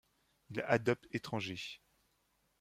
Il adopte étrangers.